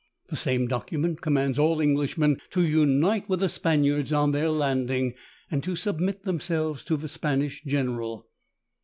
The same document commands all Englishmen to unite with the Spaniards on their landing, and to submit themselves to the Spanish general.